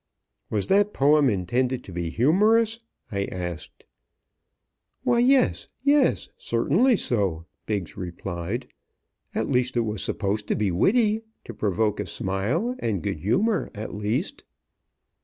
"Was that poem intended to be humorous?" I asked. "Why, yes! Yes! Certainly so," Biggs replied. "At least it was supposed to be witty; to provoke a smile and good humor at least."